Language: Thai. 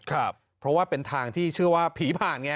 เพราะว่าเป็นทางที่เชื่อว่าผีผ่านไง